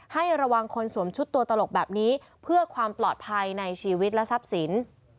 ให้ระวังคนสวมชุดตัวตลกแบบนี้เพื่อความปลอดภัยในชีวิตและทรัพย์สิน